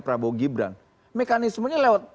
prabowo gibran mekanismenya lewat